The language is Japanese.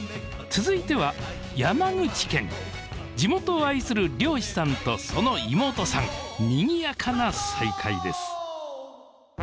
地元を愛する漁師さんとその妹さんにぎやかな再会です